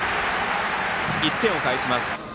１点を返します。